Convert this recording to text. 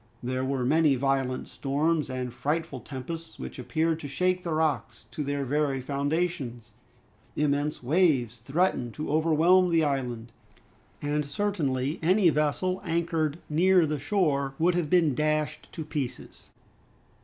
There were many violent storms and frightful tempests, which appeared to shake the rocks to their very foundations. Immense waves threatened to overwhelm the island, and certainly any vessel anchored near the shore would have been dashed to pieces.